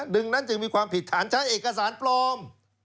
ดังนั้นจึงมีความผิดฐานใช้เอกสารปลอม